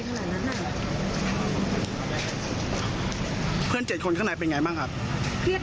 ปกติแต่ทุกคนก็คือยืนยันก็ไม่ได้เป็นช่วยก่อนเดียว